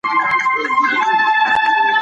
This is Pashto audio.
د هغې شتون درد یو څه وځنډاوه.